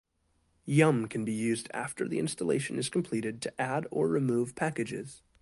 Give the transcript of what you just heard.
Yum can be used after the installation is completed to add or remove packages.